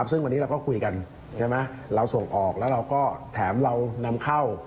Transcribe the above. ซึ่งวันนี้เราก็คุยกันใช่ไหมเราส่งออกแล้วเราก็แถมเรานำเข้า